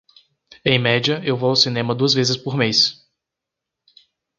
Em média, eu vou ao cinema duas vezes por mês.